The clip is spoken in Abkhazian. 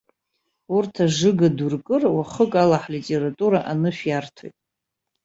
Урҭ ажыга дуркыр, уахык ала ҳлитература анышә иарҭоит!